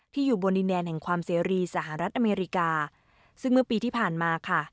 อยู่บนดินแดนแห่งความเสรีสหรัฐอเมริกาซึ่งเมื่อปีที่ผ่านมาค่ะ